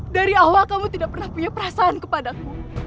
dari awal kamu tidak pernah punya perasaan kepadaku